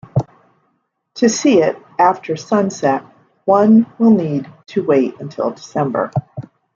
To see it after sunset, one will need to wait until December.